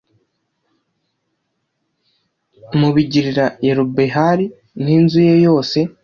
mubigirira yerubehali n'inzu ye yose